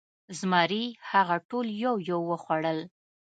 زمري هغه ټول یو یو وخوړل.